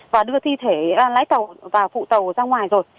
và đưa thi thể lái tàu và phụ tàu ra ngoài rồi